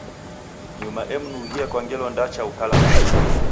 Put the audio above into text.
Nyuma emnughia kwa ngelo ndacha ukalaghaya.